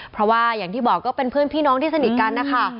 เพราะว่าอย่างที่บอกก็เป็นเพื่อนพี่น้องที่สนิทกันนะคะ